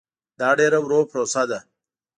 دا ډېره ورو پروسه ده.